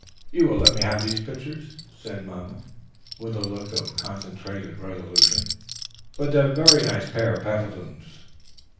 "You will let me have these pitchers," said mamma, with a look of concentrated resolution, "for that very nice pair of pantaloons."